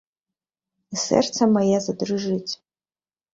І сэрца маё задрыжыць.